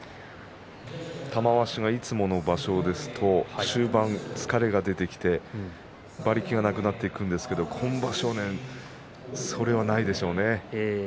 玉鷲がいつもの場所ですと中盤、疲れが出てきて馬力がなくなってくるんですが今場所は、それはないでしょうね。